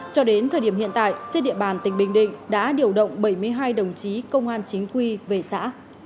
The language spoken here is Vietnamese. cho đến thời điểm hiện tại trên địa bàn tỉnh bình định đã điều động bảy mươi hai đồng chí công an chính quy về xã